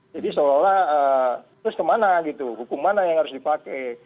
jadi seolah olah terus kemana gitu hukum mana yang harus dipakai